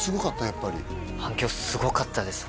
やっぱり反響すごかったです